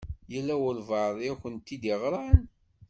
Yella walebɛaḍ i akent-id-iɣṛan?